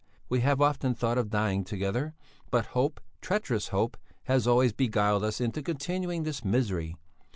We have often thought of dying together, but hope, treacherous hope, has always beguiled us into continuing this misery.